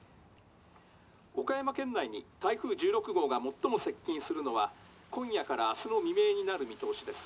岡山県内に台風１６号が最も接近するのは今夜から明日の未明になる見通しです」。